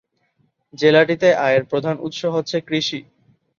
জেলাটিতে আয়ের প্রধান উৎস হচ্ছে কৃষি।